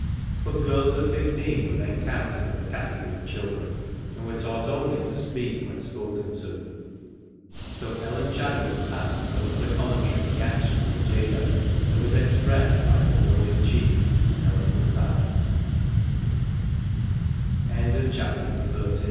121 But girls of fifteen were then counted in the category of children, and were taught only to "speak when spoken to," so Ellen Chadwick passed no other commentary on the actions of Jabez than was expressed by her glowing cheeks and el